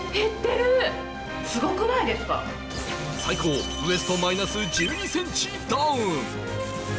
最高ウエストマイナス１２ｃｍダウン